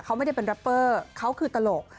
เขาไม่ได้เป็นรัปเปอร์เขาคือตลก